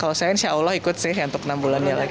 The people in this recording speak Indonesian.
kalau saya insya allah ikut sih untuk enam bulannya lagi